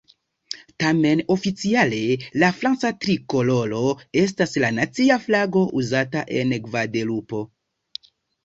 Tamen, oficiale la franca trikoloro estas la nacia flago uzata en Gvadelupo.